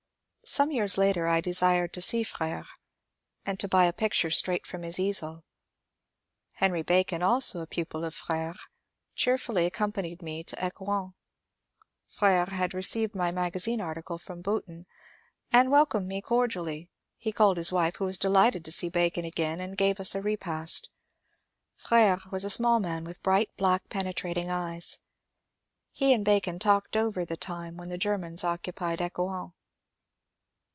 Some years later I desired to see Fr^re, and to buy a picture straight from his easeL Henry Bacon, also a pupil of Fr^re, cheerfully accompanied me to Ecouen. Fr^re had received my magazine article from Boughton and welcomed me cordially ; he called his wife, who was delighted to see Bacon again, and gave us a repast. Fr^re was a small man with bright, black, penetrating eyes. He and Bacon talked over the time when the Germans occupied Ecouen.